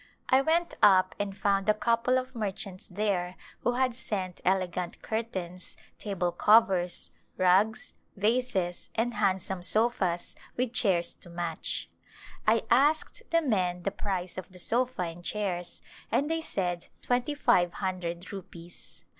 I went up and found a couple of merchants there who had sent elegant curtains, table covers, rugs, vases, and handsome sofas with chairs to match. I asked the In the Mountains men the price of the sofa and chairs and they said twenty five hundred rupees.